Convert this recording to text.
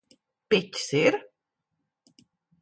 Piķis ir?